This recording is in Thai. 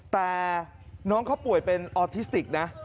แต่น้องเขาป่วยเป็นออทิสติกนะ